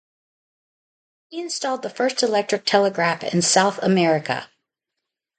He installed the first electric telegraph in South America.